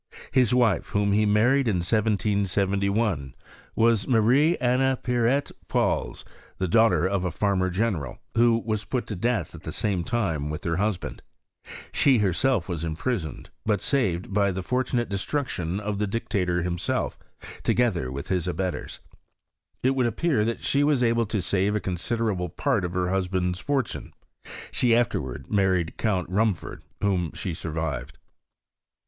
His wife, whom he married in 1771 , was Marie Anna Pierette Paulze, daughter of a farmer general, who was put to death at the same time witli her husband; she herself was imprisoned. PE06RESS OF CHEMISTRY IN FRANCE. 81 but saved by the fortunate destruction of the dictator himself, together with his abettors. It would appear that she was able to save a considerable part of her husband's fortune: she afterwards married Count Rumford, whom she survived.